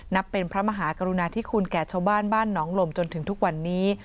เป็นพระมหากรุณาธิคุณแก่ชาวบ้านบ้านหนองลมจนถึงทุกวันนี้